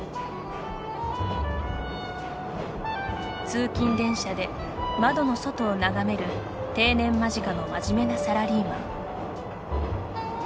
通勤電車で窓の外を眺める定年間近の真面目なサラリーマン。